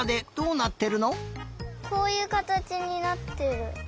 こういうかたちになってる。